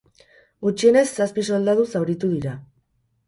Gutxienez zazpi soldatu zauritu dira.